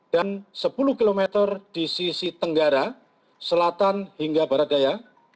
dan sepuluh km di sisi tenggara selatan hingga barat daya